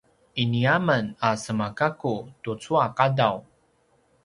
ini a men a sema gaku tucu a qadaw